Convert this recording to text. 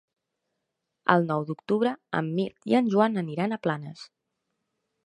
El nou d'octubre en Mirt i en Joan aniran a Planes.